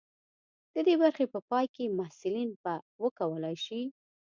د دې برخې په پای کې محصلین به وکولی شي.